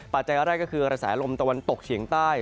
ปัจจัยแรกก็คือระสาหร่าลมตะวันตกเฉียงใต้